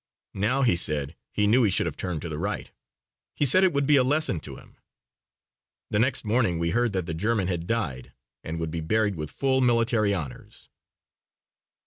Now, he said, he knew he should have turned to the right. He said it would be a lesson to him. The next morning we heard that the German had died and would be buried with full military honors.